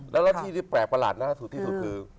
แล้วที่ที่แปลกประหลาดน่าสุดที่สุดคือ